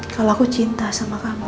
kalau aku cinta sama kamu